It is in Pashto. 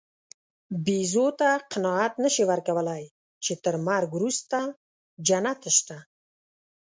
بیزو ته قناعت نهشې ورکولی، چې تر مرګ وروسته جنت شته.